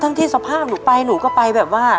ที่สภาพหนูไปหนูก็ไปแบบว่า